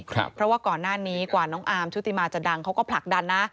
เพราะว่าก่อนหน้านี้กว่าน้องอาร์มชุติมาจะดังเขาก็ผลักดันนะ